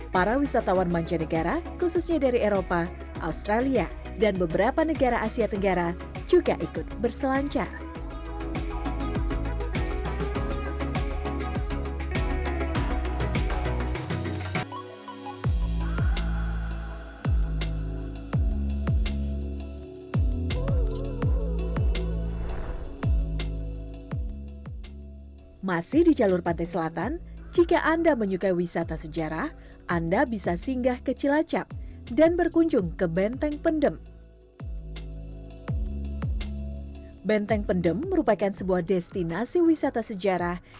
para wisatawan mancanegara khususnya dari eropa australia dan beberapa negara asia tenggara juga ikut berselancar